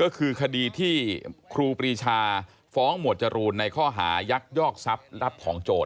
ก็คือคดีที่ครูปรีชาฟ้องหมวดจรูนในข้อหายักยอกทรัพย์รับของโจร